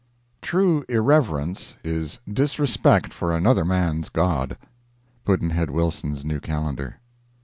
True irreverence is disrespect for another man's god. Pudd'nhead Wilson's New Calendar.